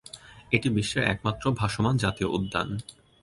এটি বিশ্বের একমাত্র ভাসমান জাতীয় উদ্যান।